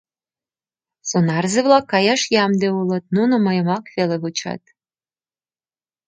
Сонарзе-влак каяш ямде улыт; нуно мыйымак веле вучат.